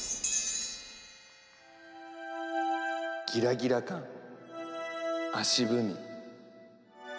ギラギラ感足踏み。